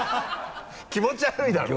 気持ち悪いだろうがよ！